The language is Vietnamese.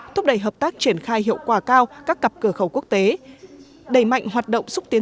thúc đẩy hợp tác triển khai hiệu quả cao các cặp cửa khẩu quốc tế đẩy mạnh hoạt động xúc tiến